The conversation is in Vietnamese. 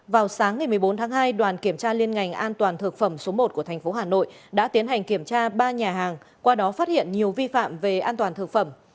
vào sáng ngày một mươi bốn tháng hai đoàn kiểm tra liên ngành an toàn thực phẩm số một của tp hà nội đã tiến hành kiểm tra ba nhà hàng qua đó phát hiện nhiều vi phạm về an toàn thực phẩm